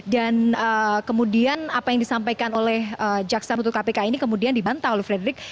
dan kemudian apa yang disampaikan oleh jaksa penuntut kpk ini kemudian dibantah oleh fredrik